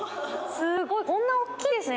すごいこんな大きいんですね。